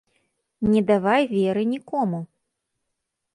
Не давай веры нікому.